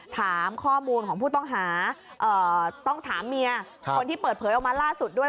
ถามข้อมูลของผู้ต้องหาต้องถามเมียคนที่เปิดเผยออกมาล่าสุดด้วย